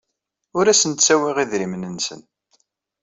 Ur asen-ttawyeɣ idrimen-nsen.